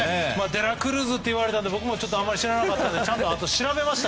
デラクルーズって言われたんで僕もあんまり知らなかったのであとで調べました。